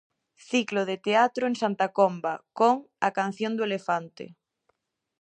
Ciclo de teatro en Santa Comba con 'A canción do elefante'.